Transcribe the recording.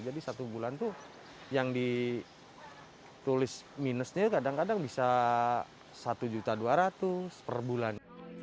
satu bulan tuh yang ditulis minusnya kadang kadang bisa satu juta dua ratus per bulan